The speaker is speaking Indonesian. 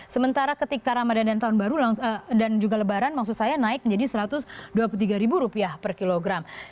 sementara ketika ramadan dan tahun baru dan juga lebaran maksud saya naik menjadi rp satu ratus dua puluh tiga per kilogram